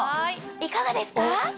いかがですか？